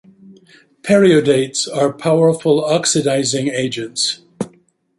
Periodates are powerful oxidising agents.